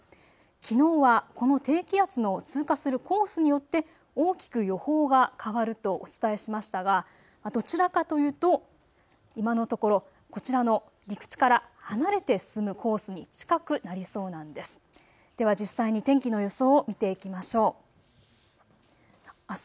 きのうはこの低気圧の通過するコースによって大きく予報が変わるとお伝えしましたがどちらかというと、今のところ、こちらの陸地から離れて進むコースに近くなりそうなんです。